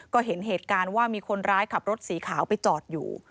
ก็เห็นเหตุการณ์ว่ามีคนร้ายขับรถสีขาวไปจอดอยู่